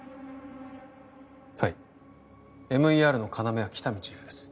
はいＭＥＲの要は喜多見チーフです